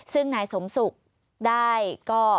ซึ่งนายสมศุกร์ได้ก็